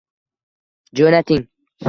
Jo’nating